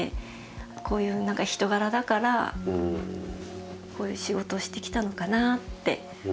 こういう人柄だからこういう仕事をしてきたのかなって。